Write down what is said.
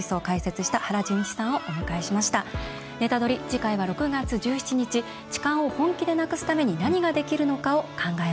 次回は６月１７日痴漢を本気でなくすために何ができるのかを考えます。